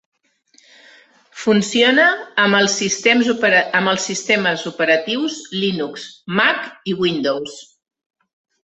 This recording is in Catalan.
Funciona amb els sistemes operatius Linux, Mac i Windows.